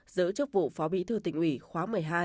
giữ chức vụ phó bí thư tỉnh ủy khóa một mươi hai